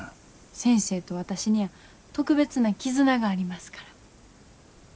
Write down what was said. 先生と私には特別な絆がありますから。